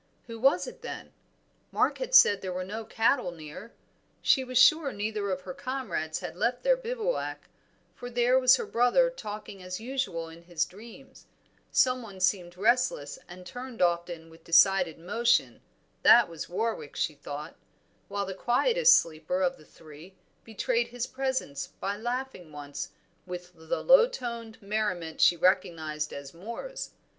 Who was it, then? Mark had said there were no cattle near, she was sure neither of her comrades had left their bivouac, for there was her brother talking as usual in his dreams; some one seemed restless and turned often with decided motion, that was Warwick, she thought, while the quietest sleeper of the three betrayed his presence by laughing once with the low toned merriment she recognized as Moor's.